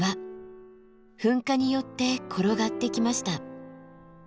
噴火によって転がってきました。